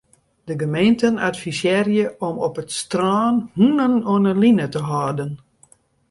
De gemeenten advisearje om op it strân hûnen oan 'e line te hâlden.